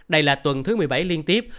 đây là tuần thứ một mươi bảy liên tiếp